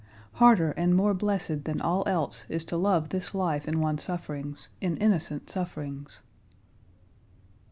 Harder and more blessed than all else is to love this life in one's sufferings, in innocent sufferings."